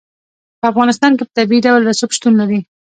په افغانستان کې په طبیعي ډول رسوب شتون لري.